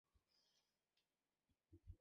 它的结构与氯胺类似。